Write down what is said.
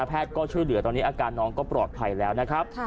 แพทย์ก็ช่วยเหลือตอนนี้อาการน้องก็ปลอดภัยแล้วนะครับ